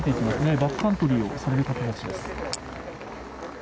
バックカントリーをされる方たちです。